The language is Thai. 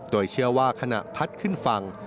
โดยเชื่อว่าขณะพัดขึ้นฝั่ง